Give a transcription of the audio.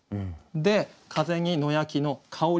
で「風に野焼の香りけり」。